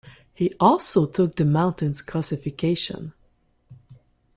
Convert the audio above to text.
He also took the mountains classification.